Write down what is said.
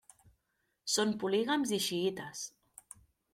Són polígams i xiïtes.